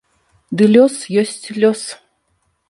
Ды лёс ёсць лёс.